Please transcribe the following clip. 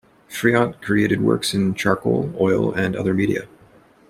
Friant created works in charcoal, oil, and other media.